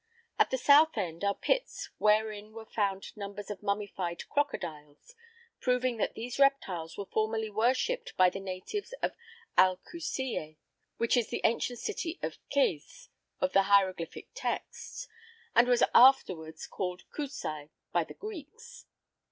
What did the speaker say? At the south end are pits wherein were found numbers of mummified crocodiles, proving that these reptiles were formerly worshipped by the natives of Al Kusiyeh, which is the ancient city of Qes of the hieroglyphic texts, and was afterward called Cusae by the Greeks.